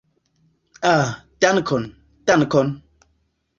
Ah, dankon, dankon!